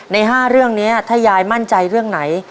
ใน๕เรื่องนี้ถ้ายายมั่นใจเรื่องไหน